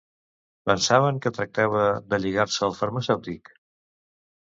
Pensaven que tractava de lligar-se al farmacèutic?